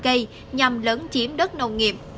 của đối tượng